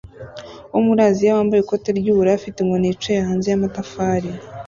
wo muri Aziya wambaye ikote ry'ubururu afite inkoni yicaye hanze y'amatafar